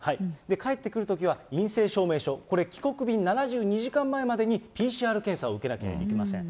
帰ってくるときは陰性証明書、これ帰国便７２時間前までにＰＣＲ検査を受けなければいけません。